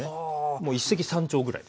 もう一石三鳥ぐらいですよね。